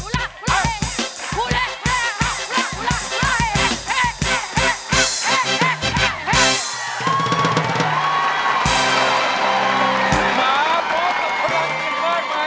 มาพบมากมากเลย